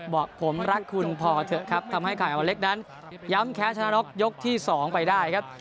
บอกผมรักคุณพอเถอะครับทำให้ไข่วันเล็กนั้นย้ำแค้นชนะน็อกยกที่๒ไปได้ครับ